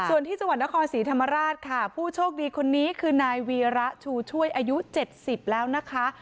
ส่วนที่จังหวัดนครศรีธรรมราชค่ะผู้โชคดีคนนี้คือนายวีระชูช่วยอายุ๗๐แล้วนะคะ